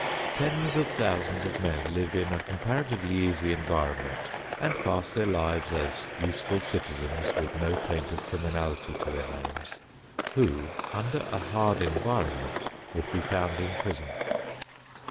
Tens of thousands of men live in a comparatively easy environment and pass their lives as useful citizens with no taint of criminality to their names, who under a hard environment would be found in prison.